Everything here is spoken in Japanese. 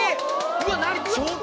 うわ何⁉